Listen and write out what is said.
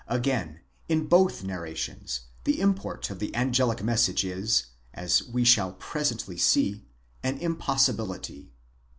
Again, in both narrations the import of the angelic message is, as we shall presently see, an impossibility.